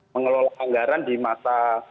mengelola anggaran di masa